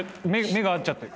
目が合っちゃって。